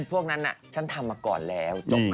พวกนั้นฉันทำมาก่อนแล้วจบ